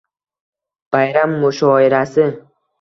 Bayram mushoirasi